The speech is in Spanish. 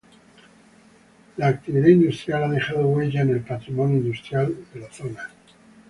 La actividad industrial ha dejado huella en el patrimonio industrial de la zona.